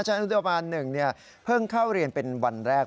ชั้นอนุบาลหนึ่งเพิ่งเข้าเรียนเป็นวันแรก